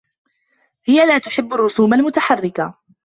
هي لا تحبّ الرّسوم المتحرّكة.